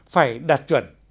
phải đạt chuẩn